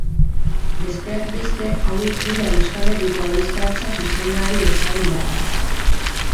Besteak beste hauek dira Euskal Herriko abesbatza-zuzendari ezagun batzuk.